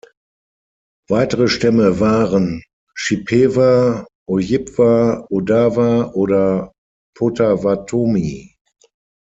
Weitere Stämme waren Chippewa, Ojibwa, Odawa oder Potawatomi.